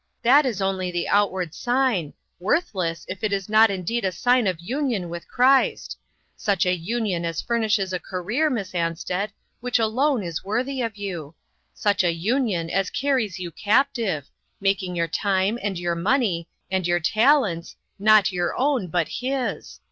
That is only the outward sign worthless, if it is not indeed a sign of union with Christ. Such a union as furnishes a career, Miss Ansted, which alone is worthy of you. Such a union as carries you captive making your time and your money, and your^ talents, not your own, but his.